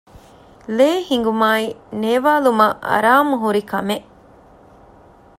ލޭހިނގުމާއި ނޭވާލުމަށް އަރާމުހުރި ކަމެއް